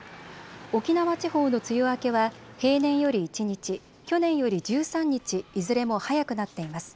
沖縄地方の梅雨明けは平年より１日、去年より１３日いずれも早くなっています。